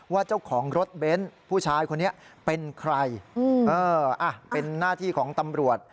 เจ้าของรถเบนท์ผู้ชายคนนี้เป็นใครเป็นหน้าที่ของตำรวจ